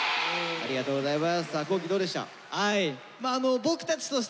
ありがとうございます。